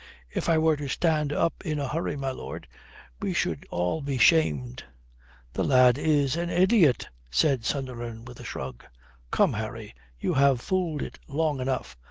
If I were to stand up in a hurry, my lord, we should all be shamed." "The lad is an idiot," said Sunderland, with a shrug. "Come, Harry, you have fooled it long enough.